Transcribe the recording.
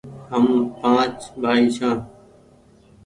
هم پآنچ بآئي ڇآن